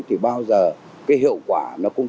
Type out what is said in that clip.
thì bao giờ cái hiệu quả nó cũng